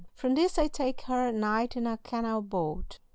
From this I take her "Night in a Canal Boat."